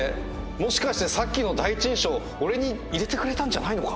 もしかしてさっきの第一印象俺に入れてくれたんじゃないのか？